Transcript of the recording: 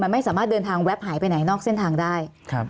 ไม่สามารถเดินทางแว๊บหายไปไหนนอกเส้นทางได้